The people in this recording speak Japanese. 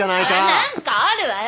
何かあるわよ！